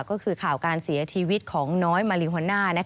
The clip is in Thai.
ก็คือข่าวการเสียชีวิตของน้อยมาริโฮน่า